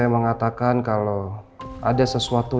tidak ada tata apa apa tentang mana dia ada di dark lecture